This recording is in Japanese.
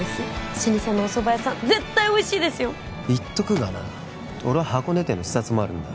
老舗のおそば屋さん絶対おいしいですよ言っとくがな俺は箱根店の視察もあるんだ